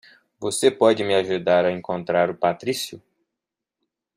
Você pode me ajudar a encontrar o Patrício?